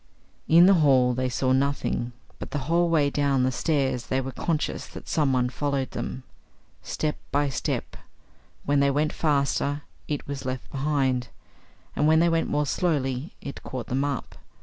In the hall they saw nothing, but the whole way down the stairs they were conscious that someone followed them; step by step; when they went faster IT was left behind, and when they went more slowly IT caught them up.